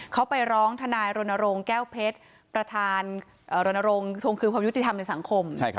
เขาไปร้องทนายรณรงค์แก้วเพชรประธานรณรงค์ทวงคืนความยุติธรรมในสังคม